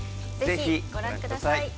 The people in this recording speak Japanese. ぜひ、ご覧ください！